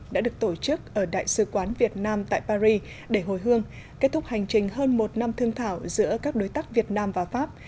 đã được tổ chức ở đại sứ quán việt nam tại paris để hồi hương kết thúc hành trình hơn một năm thương thảo giữa các đối tác việt nam và pháp